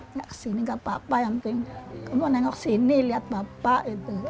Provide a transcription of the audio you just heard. nggak kesini nggak apa apa yang penting kamu nengok sini liat bapak